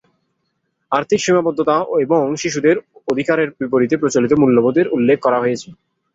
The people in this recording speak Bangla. আর্থিক সীমাবদ্ধতা এবং "শিশুদের অধিকারের বিপরীতে প্রচলিত মূল্যবোধের" উল্লেখ করা হয়েছে।